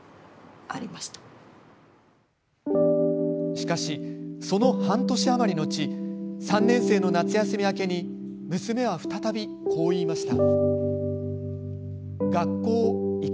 しかし、その半年余り後３年生の夏休み明けに再び娘は、こう言いました。